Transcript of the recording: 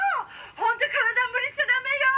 ホント体は無理しちゃダメよ。